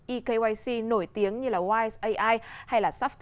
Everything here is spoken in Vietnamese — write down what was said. ekyc nổi tiếng như wiseai hay softiepro